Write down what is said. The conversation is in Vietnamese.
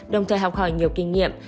đồng thời học hỏi nhiều kinh nghiệm